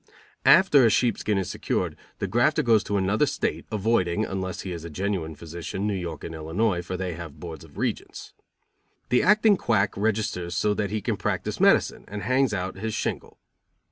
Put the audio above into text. After a sheepskin is secured, the grafter goes to another State, avoiding, unless he is a genuine physician, New York and Illinois, for they have boards of regents. The acting quack registers so that he can practice medicine and hangs out his shingle.